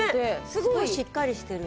すごいしっかりしてる。